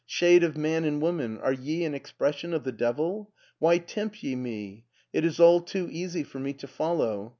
Shade of man and woman, are ye an expression of the devil? Why tempt ye me? It is all too easy for me to follow.